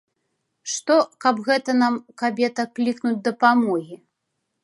Што, каб гэта нам, кабета, клікнуць дапамогі.